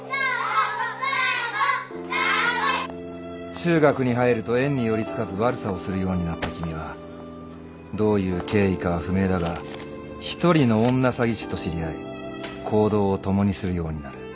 中学に入ると園に寄り付かず悪さをするようになった君はどういう経緯かは不明だが１人の女詐欺師と知り合い行動を共にするようになる。